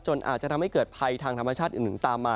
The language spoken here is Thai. อาจจะทำให้เกิดภัยทางธรรมชาติอื่นตามมา